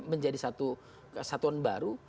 menjadi satu kesatuan baru